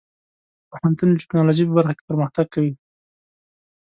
پوهنتون د ټیکنالوژۍ په برخه کې پرمختګ کوي.